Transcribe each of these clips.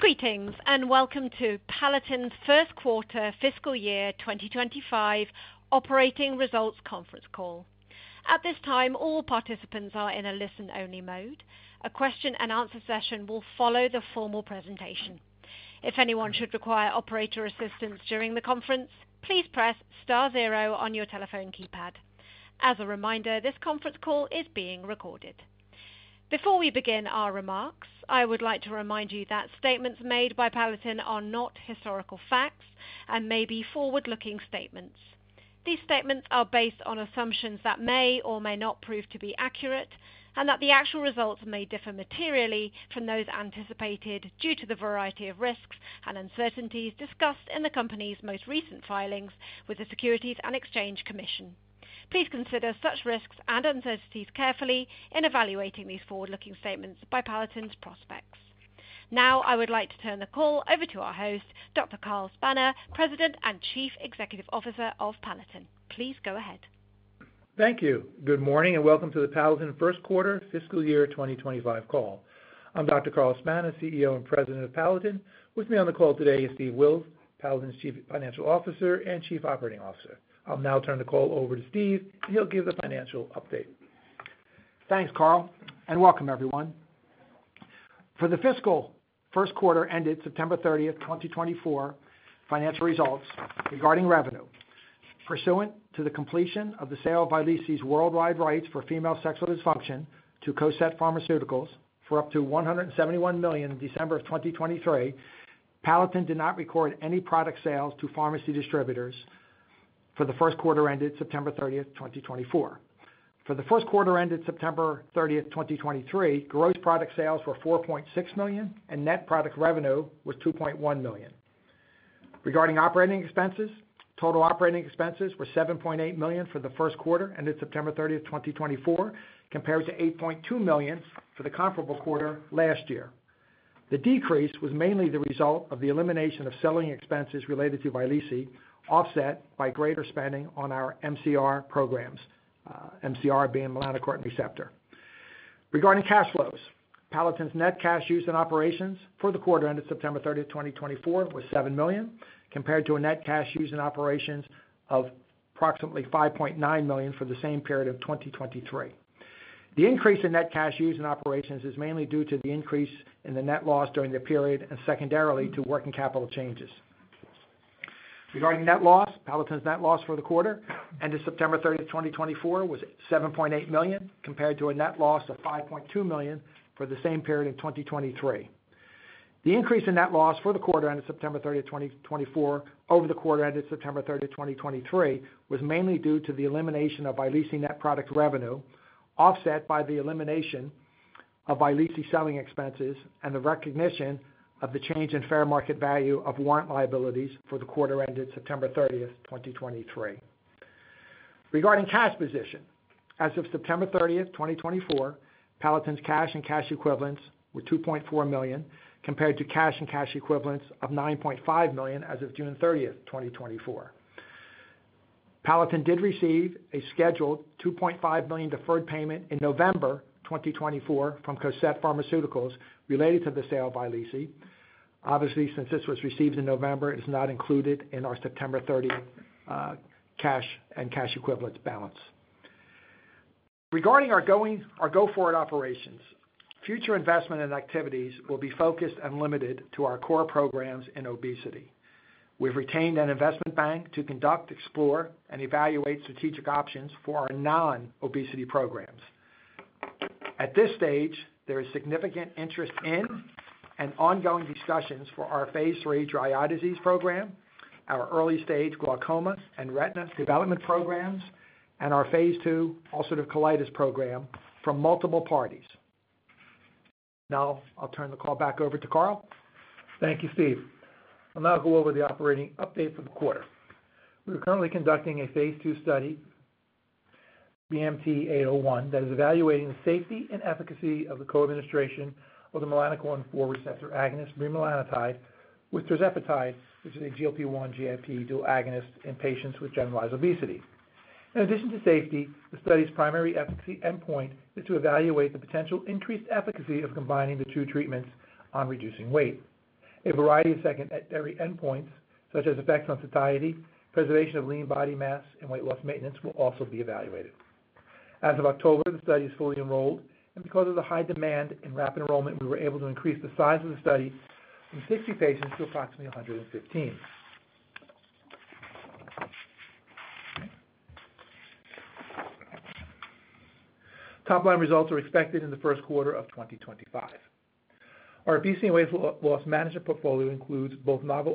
Greetings, and welcome to Palatin's first quarter fiscal year 2025 operating results conference call. At this time, all participants are in a listen-only mode. A question-and-answer session will follow the formal presentation. If anyone should require operator assistance during the conference, please press star zero on your telephone keypad. As a reminder, this conference call is being recorded. Before we begin our remarks, I would like to remind you that statements made by Palatin are not historical facts and may be forward-looking statements. These statements are based on assumptions that may or may not prove to be accurate, and that the actual results may differ materially from those anticipated due to the variety of risks and uncertainties discussed in the company's most recent filings with the Securities and Exchange Commission. Please consider such risks and uncertainties carefully in evaluating these forward-looking statements by Palatin's prospects. Now, I would like to turn the call over to our host, Dr. Carl Spana, President and Chief Executive Officer of Palatin. Please go ahead. Thank you. Good morning, and welcome to the Palatin first quarter fiscal year 2025 call. I'm Dr. Carl Spana, CEO and President of Palatin. With me on the call today is Steve Wills, Palatin's Chief Financial Officer and Chief Operating Officer. I'll now turn the call over to Steve, and he'll give the financial update. Thanks, Carl, and welcome, everyone. For the fiscal first quarter ended September 30th, 2024, financial results regarding revenue. Pursuant to the completion of the sale of Vyleesi Worldwide Rights for Female Sexual Dysfunction to Cosette Pharmaceuticals for up to $171 million in December of 2023, Palatin did not record any product sales to pharmacy distributors for the first quarter ended September 30th, 2024. For the first quarter ended September 30th, 2023, gross product sales were $4.6 million, and net product revenue was $2.1 million. Regarding operating expenses, total operating expenses were $7.8 million for the first quarter ended September 30th, 2024, compared to $8.2 million for the comparable quarter last year. The decrease was mainly the result of the elimination of selling expenses related to Vyleesi, offset by greater spending on our MCR programs, MCR being Melanocortin Receptor. Regarding cash flows, Palatin's net cash use and operations for the quarter ended September 30th, 2024, was $7 million, compared to a net cash use and operations of approximately $5.9 million for the same period of 2023. The increase in net cash use and operations is mainly due to the increase in the net loss during the period and secondarily to working capital changes. Regarding net loss, Palatin's net loss for the quarter ended September 30th, 2024, was $7.8 million, compared to a net loss of $5.2 million for the same period in 2023. The increase in net loss for the quarter ended September 30th, 2024, over the quarter ended September 30th, 2023, was mainly due to the elimination of Vyleesi net product revenue, offset by the elimination of Vyleesi selling expenses and the recognition of the change in fair market value of warrant liabilities for the quarter ended September 30th, 2023. Regarding cash position, as of September 30th, 2024, Palatin's cash and cash equivalents were $2.4 million, compared to cash and cash equivalents of $9.5 million as of June 30th, 2024. Palatin did receive a scheduled $2.5 million deferred payment in November 2024 from Cosette Pharmaceuticals related to the sale of Vyleesi. Obviously, since this was received in November, it is not included in our September 30th cash and cash equivalents balance. Regarding our go-forward operations, future investment and activities will be focused and limited to our core programs in obesity. We've retained an investment bank to conduct, explore, and evaluate strategic options for our non-obesity programs. At this stage, there is significant interest in and ongoing discussions for our Phase III dry eye disease program, our early stage glaucoma and retina development programs, and our Phase II ulcerative colitis program from multiple parties. Now, I'll turn the call back over to Carl. Thank you, Steve. I'll now go over the operating update for the quarter. We're currently conducting a Phase II study, BMT-801, that is evaluating the safety and efficacy of the co-administration of the melanocortin 4 receptor agonist, bremelanotide, with tirzepatide, which is a GLP-1, GIP dual agonist in patients with generalized obesity. In addition to safety, the study's primary efficacy endpoint is to evaluate the potential increased efficacy of combining the two treatments on reducing weight. A variety of secondary endpoints, such as effects on satiety, preservation of lean body mass, and weight loss maintenance, will also be evaluated. As of October, the study is fully enrolled, and because of the high demand and rapid enrollment, we were able to increase the size of the study from 60 patients to approximately 115. Top line results are expected in the first quarter of 2025. Our obesity and weight loss management portfolio includes both a novel,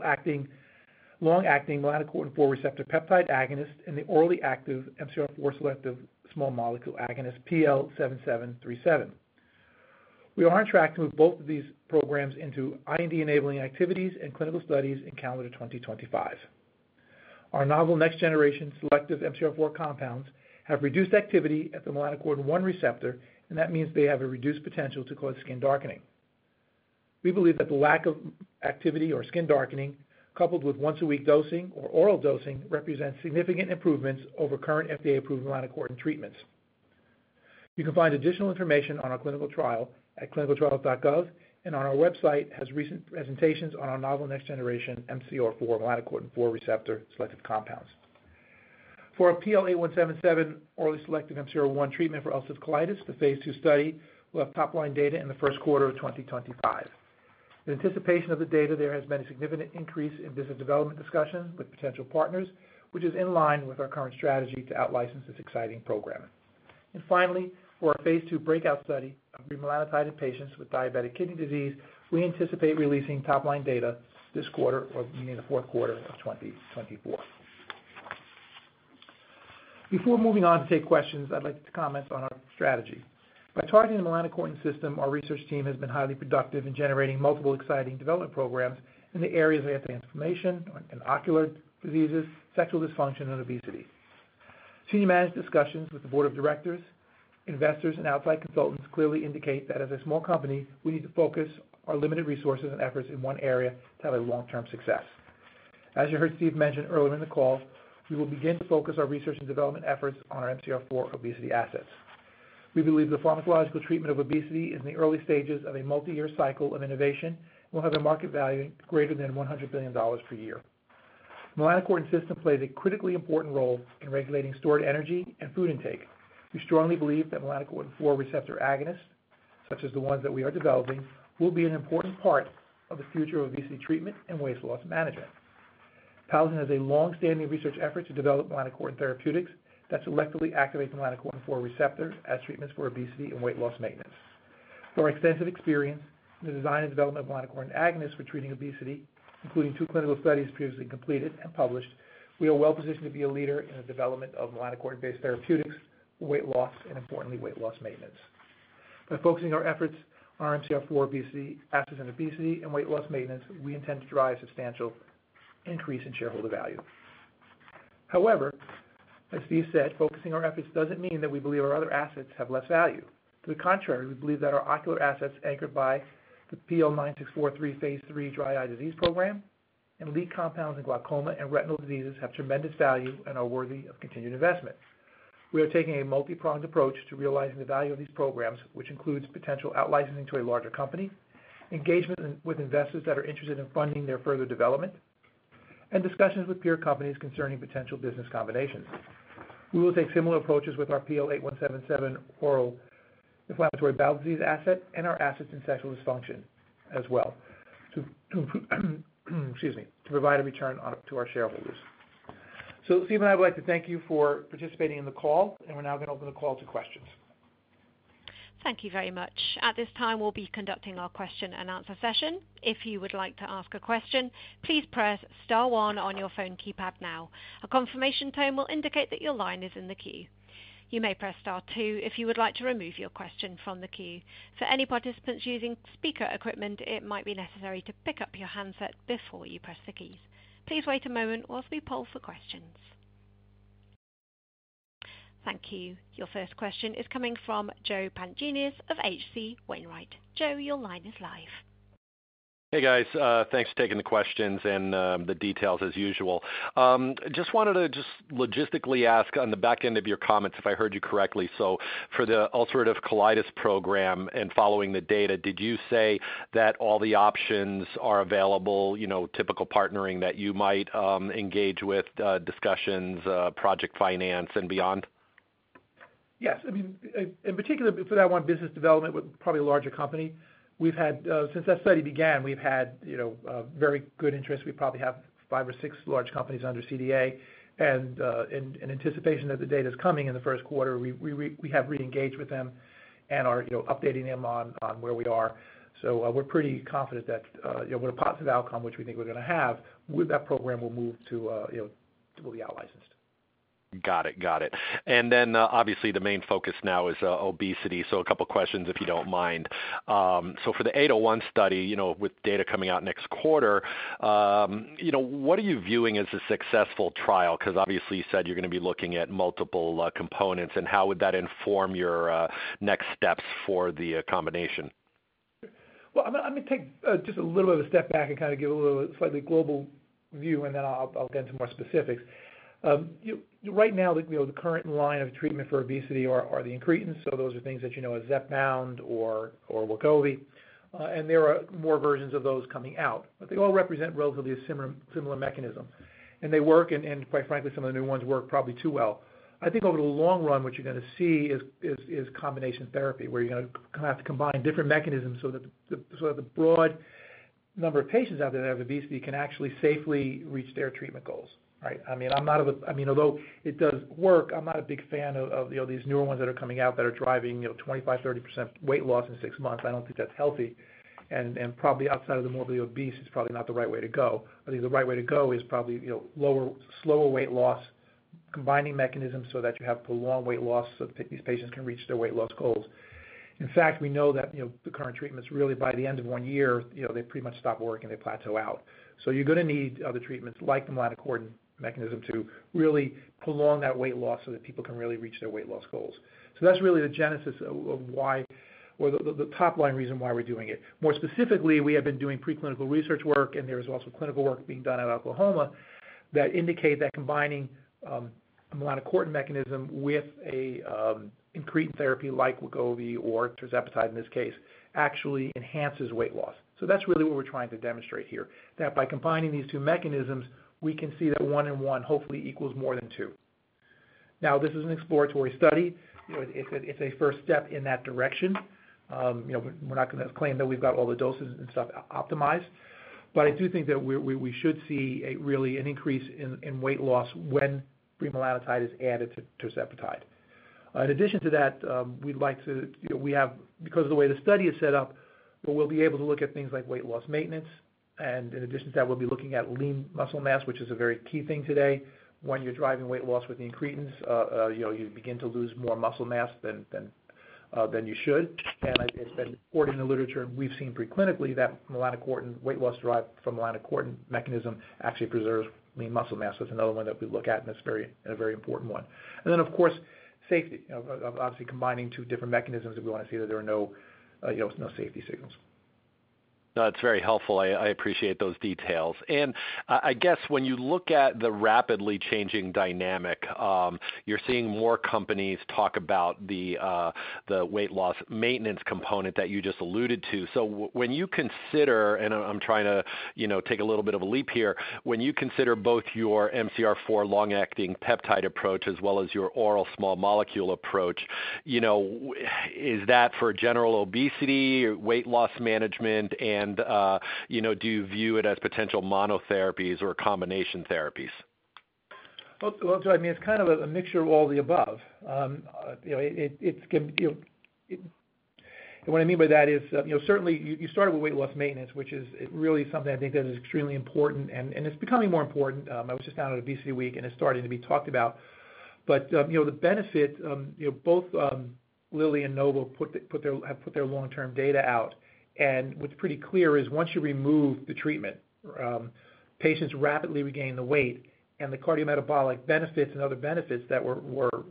long-acting melanocortin 4 receptor peptide agonist and the orally active MC4R selective small molecule agonist, PL7737. We are on track to move both of these programs into IND-enabling activities and clinical studies in calendar 2025. Our novel next generation selective MC4R compounds have reduced activity at the melanocortin 1 receptor, and that means they have a reduced potential to cause skin darkening. We believe that the lack of activity or skin darkening, coupled with once-a-week dosing or oral dosing, represents significant improvements over current FDA-approved melanocortin treatments. You can find additional information on our clinical trial at clinicaltrials.gov and on our website, which has recent presentations on our novel next generation MC4R melanocortin 4 receptor selective compounds. For our PL8177 orally selective MCR1 treatment for ulcerative colitis, the Phase II study will have top line data in the first quarter of 2025. In anticipation of the data, there has been a significant increase in business development discussions with potential partners, which is in line with our current strategy to outlicense this exciting program. And finally, for our Phase II BREAKOUT study of bremelanotide patients with diabetic kidney disease, we anticipate releasing top line data this quarter or meaning the fourth quarter of 2024. Before moving on to take questions, I'd like to comment on our strategy. By targeting the melanocortin system, our research team has been highly productive in generating multiple exciting development programs in the areas of anti-inflammation and ocular diseases, sexual dysfunction, and obesity. Senior management discussions with the board of directors, investors, and outside consultants clearly indicate that as a small company, we need to focus our limited resources and efforts in one area to have a long-term success. As you heard Steve mention earlier in the call, we will begin to focus our research and development efforts on our MC4R obesity assets. We believe the pharmacological treatment of obesity is in the early stages of a multi-year cycle of innovation and will have a market value greater than $100 billion per year. The melanocortin system plays a critically important role in regulating stored energy and food intake. We strongly believe that melanocortin 4 receptor agonists, such as the ones that we are developing, will be an important part of the future of obesity treatment and weight loss management. Palatin has a long-standing research effort to develop melanocortin therapeutics that selectively activate the melanocortin 4 receptor as treatments for obesity and weight loss maintenance. Through our extensive experience in the design and development of melanocortin agonists for treating obesity, including two clinical studies previously completed and published, we are well positioned to be a leader in the development of melanocortin-based therapeutics for weight loss and, importantly, weight loss maintenance. By focusing our efforts on our MC4R obesity assets and obesity and weight loss maintenance, we intend to drive a substantial increase in shareholder value. However, as Steve said, focusing our efforts doesn't mean that we believe our other assets have less value. To the contrary, we believe that our ocular assets anchored by the PL9643 Phase III dry eye disease program and lead compounds in glaucoma and retinal diseases have tremendous value and are worthy of continued investment. We are taking a multi-pronged approach to realizing the value of these programs, which includes potential outlicensing to a larger company, engagement with investors that are interested in funding their further development, and discussions with peer companies concerning potential business combinations. We will take similar approaches with our PL8177 oral inflammatory bowel disease asset and our assets in sexual dysfunction as well to provide a return to our shareholders. So Steve and I would like to thank you for participating in the call, and we're now going to open the call to questions. Thank you very much. At this time, we'll be conducting our question and answer session. If you would like to ask a question, please press star one on your phone keypad now. A confirmation tone will indicate that your line is in the queue. You may press star two if you would like to remove your question from the queue. For any participants using speaker equipment, it might be necessary to pick up your handset before you press the keys. Please wait a moment while we poll for questions. Thank you. Your first question is coming from Joe Pantginis of H.C. Wainwright. Joe, your line is live. Hey, guys. Thanks for taking the questions and the details as usual. Just wanted to logistically ask on the back end of your comments, if I heard you correctly. So for the ulcerative colitis program and following the data, did you say that all the options are available, you know, typical partnering that you might engage with, discussions, project finance, and beyond? Yes. I mean, in particular, for that one business development with probably a larger company, we've had, since that study began, we've had, you know, very good interest. We probably have five or six large companies under CDA, and in anticipation that the data is coming in the first quarter, we have re-engaged with them and are updating them on where we are. So we're pretty confident that with a positive outcome, which we think we're going to have, that program will move to, you know, will be outlicensed. Got it. Got it, and then obviously the main focus now is obesity, so a couple of questions, if you don't mind, so for the 801 study, you know, with data coming out next quarter, you know, what are you viewing as a successful trial? Because obviously you said you're going to be looking at multiple components, and how would that inform your next steps for the combination? I'm going to take just a little bit of a step back and kind of give a little slightly global view, and then I'll get into more specifics. Right now, the current line of treatment for obesity are the incretins. So those are things that you know as Zepbound or Wegovy, and there are more versions of those coming out, but they all represent relatively a similar mechanism. And they work, and quite frankly, some of the new ones work probably too well. I think over the long run, what you're going to see is combination therapy where you're going to have to combine different mechanisms so that the broad number of patients out there that have obesity can actually safely reach their treatment goals, right? I mean, although it does work, I'm not a big fan of these newer ones that are coming out that are driving 25%, 30% weight loss in six months. I don't think that's healthy, and probably outside of the morbidly obese, it's probably not the right way to go. I think the right way to go is probably lower, slower weight loss, combining mechanisms so that you have prolonged weight loss so that these patients can reach their weight loss goals. In fact, we know that the current treatments really, by the end of one year, they pretty much stop working. They plateau out. So you're going to need other treatments like the melanocortin mechanism to really prolong that weight loss so that people can really reach their weight loss goals. So that's really the genesis of why, or the top line reason why we're doing it. More specifically, we have been doing preclinical research work, and there is also clinical work being done at Oklahoma that indicates that combining a melanocortin mechanism with an incretin therapy like Wegovy or tirzepatide in this case actually enhances weight loss. So that's really what we're trying to demonstrate here, that by combining these two mechanisms, we can see that one and one hopefully equals more than two. Now, this is an exploratory study. It's a first step in that direction. We're not going to claim that we've got all the doses and stuff optimized, but I do think that we should see really an increase in weight loss when bremelanotide is added to tirzepatide. In addition to that, we'd like to, because of the way the study is set up, we'll be able to look at things like weight loss maintenance, and in addition to that, we'll be looking at lean muscle mass, which is a very key thing today. When you're driving weight loss with the incretins, you begin to lose more muscle mass than you should. And it's been reported in the literature, and we've seen preclinically that melanocortin weight loss derived from melanocortin mechanism actually preserves lean muscle mass. That's another one that we look at, and it's a very important one. And then, of course, safety, obviously combining two different mechanisms if we want to see that there are no safety signals. That's very helpful. I appreciate those details. And I guess when you look at the rapidly changing dynamic, you're seeing more companies talk about the weight loss maintenance component that you just alluded to. So when you consider, and I'm trying to take a little bit of a leap here, when you consider both your MC4R long-acting peptide approach as well as your oral small molecule approach, you know, is that for general obesity, weight loss management, and do you view it as potential monotherapies or combination therapies? Well, Joe, I mean, it's kind of a mixture of all the above. What I mean by that is, you know, certainly you started with weight loss maintenance, which is really something I think that is extremely important, and it's becoming more important. I was just down at ObesityWeek, and it's starting to be talked about. But the benefit, both Lilly and Novo Nordisk have put their long-term data out, and what's pretty clear is once you remove the treatment, patients rapidly regain the weight, and the cardiometabolic benefits and other benefits that were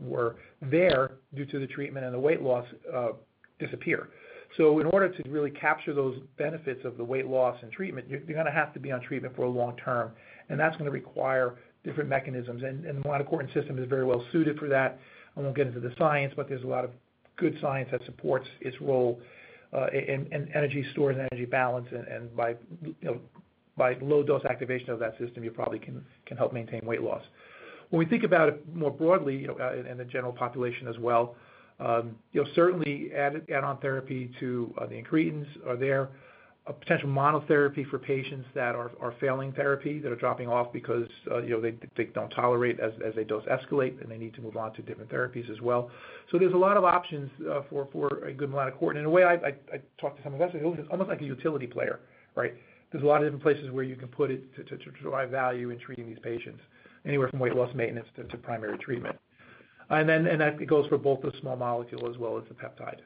there due to the treatment and the weight loss disappear. So in order to really capture those benefits of the weight loss and treatment, you're going to have to be on treatment for a long term, and that's going to require different mechanisms. And the melanocortin system is very well suited for that. I won't get into the science, but there's a lot of good science that supports its role in energy stores and energy balance, and by low-dose activation of that system, you probably can help maintain weight loss. When we think about it more broadly and the general population as well, certainly add-on therapy to the incretins are there. Potential monotherapy for patients that are failing therapy, that are dropping off because they don't tolerate as they dose escalate, and they need to move on to different therapies as well. So there's a lot of options for a good melanocortin. In a way, I talked to some of them, it's almost like a utility player, right? There's a lot of different places where you can put it to drive value in treating these patients, anywhere from weight loss maintenance to primary treatment. And then it goes for both the small molecule as well as the peptide.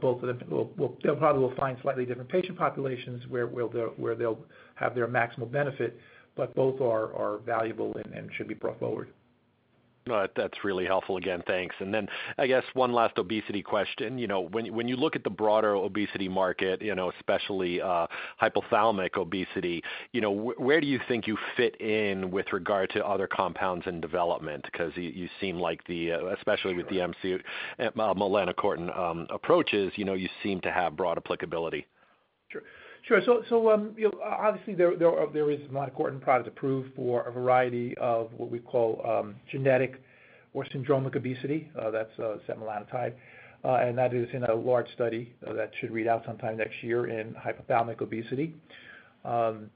Both of them will probably find slightly different patient populations where they'll have their maximal benefit, but both are valuable and should be brought forward. No, that's really helpful. Again, thanks. And then I guess one last obesity question. When you look at the broader obesity market, especially hypothalamic obesity, where do you think you fit in with regard to other compounds in development? Because you seem like the, especially with the MC melanocortin approaches, you seem to have broad applicability. Sure. Sure. So obviously there is melanocortin product approved for a variety of what we call genetic or syndromic obesity. That's setmelanotide, and that is in a large study that should read out sometime next year in hypothalamic obesity. And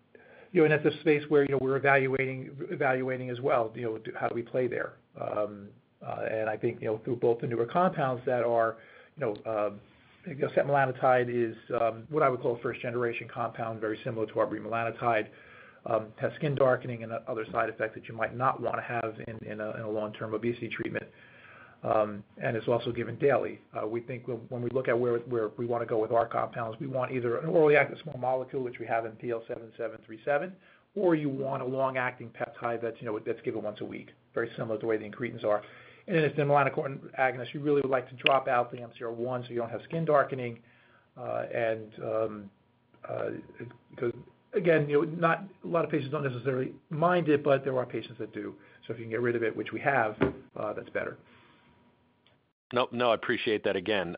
it's a space where we're evaluating as well, how do we play there. And I think through both the newer compounds that are, you know, setmelanotide is what I would call a first-generation compound, very similar to our bremelanotide, has skin darkening and other side effects that you might not want to have in a long-term obesity treatment, and it's also given daily. We think when we look at where we want to go with our compounds, we want either an orally active small molecule, which we have in PL7737, or you want a long-acting peptide that's given once a week, very similar to the way the incretins are. And then if they're melanocortin agonist, you really would like to drop out the MCR1 so you don't have skin darkening. And because again, a lot of patients don't necessarily mind it, but there are patients that do. So if you can get rid of it, which we have, that's better. No, no, I appreciate that again.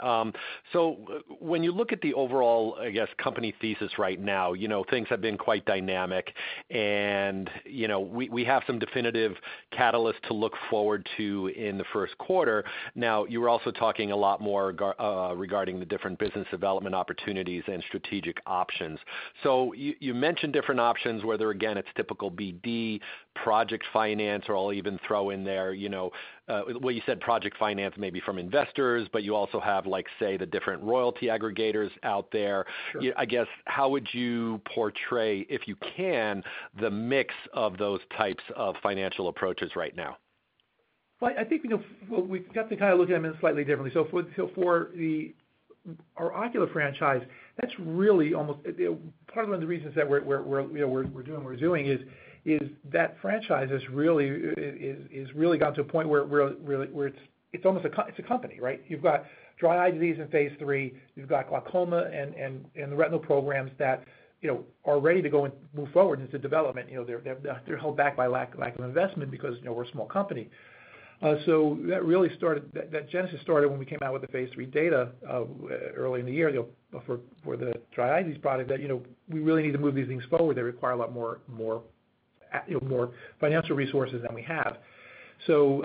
So when you look at the overall, I guess, company thesis right now, things have been quite dynamic, and we have some definitive catalysts to look forward to in the first quarter. Now, you were also talking a lot more regarding the different business development opportunities and strategic options. So you mentioned different options, whether again it's typical BD, project finance, or I'll even throw in there, well, you said project finance maybe from investors, but you also have, like, say, the different royalty aggregators out there. I guess how would you portray, if you can, the mix of those types of financial approaches right now? Well, I think we've got to kind of look at them slightly differently. So for our ocular franchise, that's really almost part of one of the reasons that we're doing what we're doing is that franchise has really gotten to a point where it's almost a company, right? You've got dry eye disease in Phase III, you've got glaucoma, and the retinal programs that are ready to go and move forward into development, they're held back by lack of investment because we're a small company. So that really started, that genesis started when we came out with the Phase three data early in the year for the dry eye disease product that we really need to move these things forward. They require a lot more financial resources than we have. So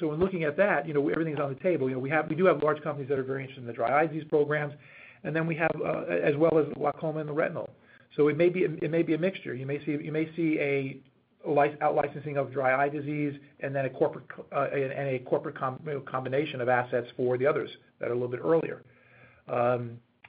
when looking at that, everything's on the table. We do have large companies that are very interested in the dry eye disease programs, and then we have, as well as glaucoma and the retinal. So it may be a mixture. You may see a licensing of dry eye disease and then a corporate combination of assets for the others that are a little bit earlier.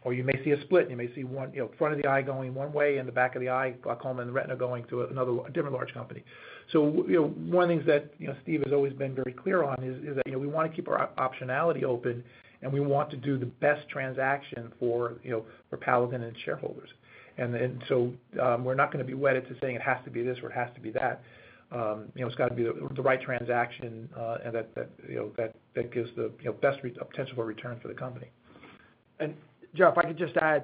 Or you may see a split. You may see one front of the eye going one way and the back of the eye, glaucoma and the retinal going to another different large company. So one of the things that Steve has always been very clear on is that we want to keep our optionality open, and we want to do the best transaction for Palatin and shareholders. We're not going to be wedded to saying it has to be this or it has to be that. It's got to be the right transaction that gives the best potential for return for the company. And Jeff, if I could just add,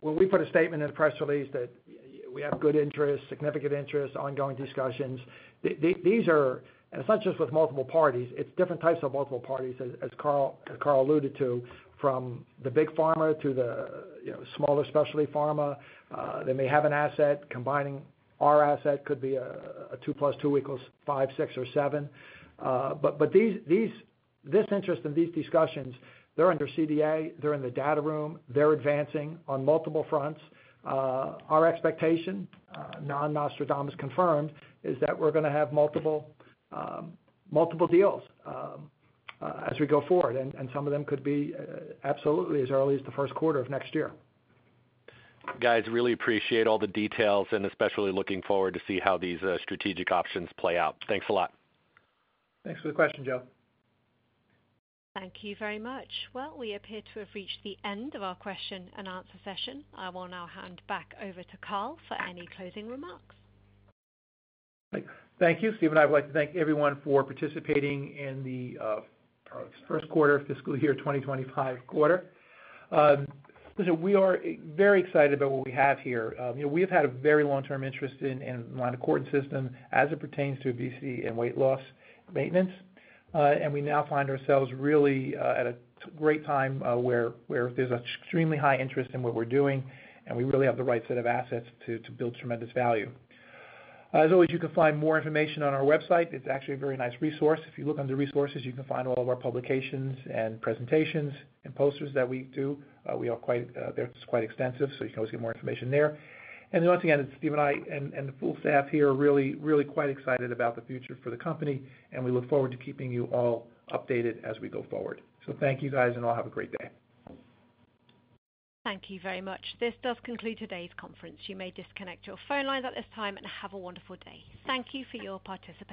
when we put a statement in the press release that we have good interest, significant interest, ongoing discussions, these are, and it's not just with multiple parties, it's different types of multiple parties, as Carl alluded to, from the big pharma to the smaller specialty pharma. They may have an asset. Combining our asset could be a two + two=five, six, or seven. But this interest and these discussions, they're under CDA, they're in the data room, they're advancing on multiple fronts. Our expectation, non-Nostradamus confirmed, is that we're going to have multiple deals as we go forward, and some of them could be absolutely as early as the first quarter of next year. Guys, really appreciate all the details, and especially looking forward to see how these strategic options play out. Thanks a lot. Thanks for the question, Joe. Thank you very much. We appear to have reached the end of our question and answer session. I will now hand back over to Carl for any closing remarks. Thank you. Steve and I would like to thank everyone for participating in the first quarter of fiscal year 2025. Listen, we are very excited about what we have here. We have had a very long-term interest in the melanocortin system as it pertains to obesity and weight loss maintenance, and we now find ourselves really at a great time where there's extremely high interest in what we're doing, and we really have the right set of assets to build tremendous value. As always, you can find more information on our website. It's actually a very nice resource. If you look under resources, you can find all of our publications and presentations and posters that we do. It's quite extensive, so you can always get more information there. And then once again, it's Steve and I and the full staff here are really, really quite excited about the future for the company, and we look forward to keeping you all updated as we go forward. So thank you guys, and all have a great day. Thank you very much. This does conclude today's conference. You may disconnect your phone lines at this time and have a wonderful day. Thank you for your participation.